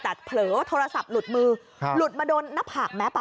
แต่เผลอโทรศัพท์หลุดมือหลุดมาโดนหน้าผากแม็ป